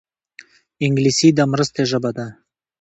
انګلیسي د مرستې ژبه ده